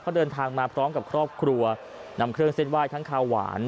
เขาเดินทางมาพร้อมกับครอบครัวนำเครื่องเส้นไหว้ทั้งคาวหวาน